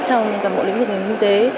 trong cả mọi lĩnh vực nền kinh tế